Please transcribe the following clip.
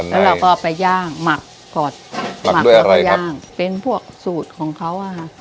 แล้วเราก็ไปย่างหมักกอดหมักแล้วก็ย่างเป็นพวกสูตรของเขาอะค่ะ